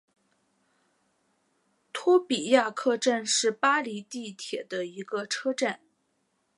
托比亚克站是巴黎地铁的一个车站。